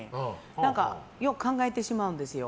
何か、よく考えてしまうんですよ。